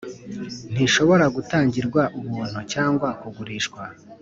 Ntibishobora gutangirwa ubuntu cyangwa kugurishwa,